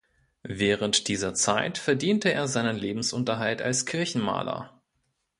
Während dieser Zeit verdiente er seinen Lebensunterhalt als Kirchenmaler.